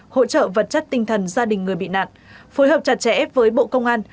hỗ trợ vật chất tinh thần gia đình người bị nạn phối hợp chặt chẽ với bộ công an